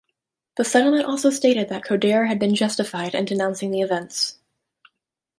The settlement also stated that Coderre had been justified in denouncing the events.